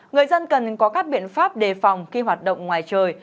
người dân cần có các biện pháp đề phòng khi hoạt động ngoài trời